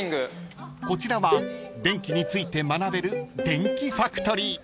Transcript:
［こちらは電気について学べるデンキファクトリー］